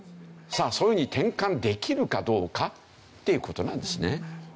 さあそういうふうに転換できるかどうかっていう事なんですね。